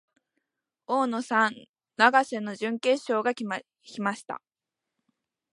大野さん、永瀬の準決勝が来ました。